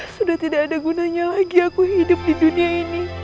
sudah tidak ada gunanya lagi aku hidup di dunia ini